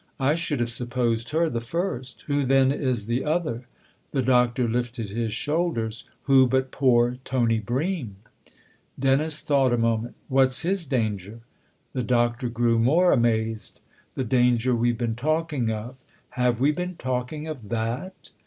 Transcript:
" I should have sup posed her the first ! Who then is the other ?" The Doctor lifted his shoulders. "Who but poor Tony Bream ?" Dennis thought a moment. " What's his danger? " The Doctor grew more amazed. "The danger we've been talking of! " u Have we been talking of that